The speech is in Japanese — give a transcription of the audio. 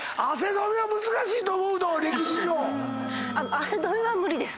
汗止めは無理です。